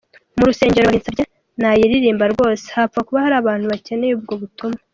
Mu rusengero babinsabye nayiririmba rwose hapfa kuba hari abantu bakeneye ubwo butumwa.